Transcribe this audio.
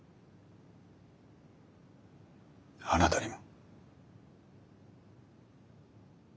あなたにも。